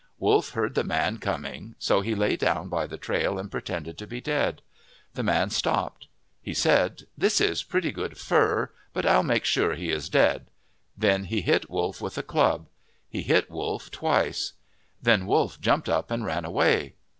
Wolf heard the man coming so he lay down by the trail and pretended to be dead. The man stopped. He said, " This is pretty good fur, but I '11 make sure he is dead." Then he hit Wolf with a club. He hit Wolf twice. Then Wolf jumped up and ran away.